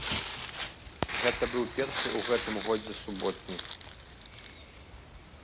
Гэта быў першы ў гэтым годзе суботнік.